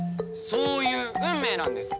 そういう運命なんです！